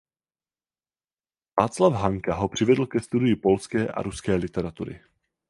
Václav Hanka ho přivedl ke studiu polské a ruské literatury.